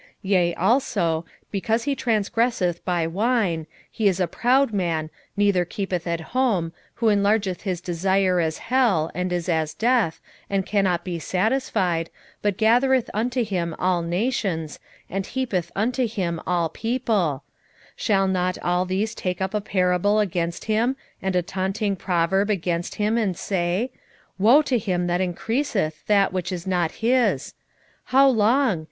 2:5 Yea also, because he transgresseth by wine, he is a proud man, neither keepeth at home, who enlargeth his desire as hell, and is as death, and cannot be satisfied, but gathereth unto him all nations, and heapeth unto him all people: 2:6 Shall not all these take up a parable against him, and a taunting proverb against him, and say, Woe to him that increaseth that which is not his! how long?